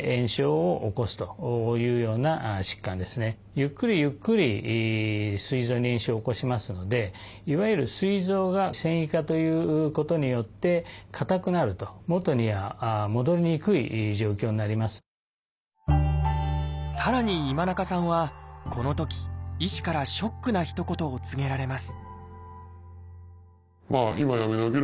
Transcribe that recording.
ゆっくりゆっくりすい臓に炎症を起こしますのでいわゆるさらに今中さんはこのとき医師からショックなひと言を告げられます